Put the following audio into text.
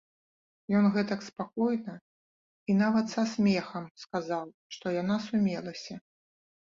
Ён гэтак спакойна і нават са смехам сказаў, што яна сумелася.